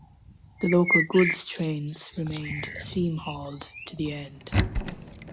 The local goods trains remained steam hauled to the end.